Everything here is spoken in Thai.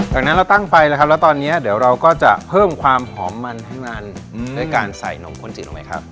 จากนั้นเราตั้งไฟแล้วครับแล้วตอนนี้เดี๋ยวเราก็จะเพิ่มความหอมมันให้มันด้วยการใส่นมข้นจืดลงไปครับ